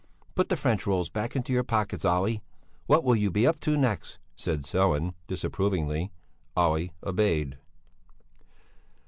Put the French rolls back into your pockets, Olle! What will you be up to next?" said Sellén disapprovingly. Olle obeyed.